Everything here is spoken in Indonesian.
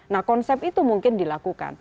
nah konsep itu mungkin dilakukan